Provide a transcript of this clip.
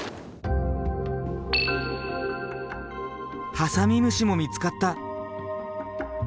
ハサミムシも見つかった。